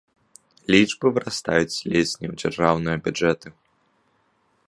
Лічбы вырастаюць ледзь не ў дзяржаўныя бюджэты.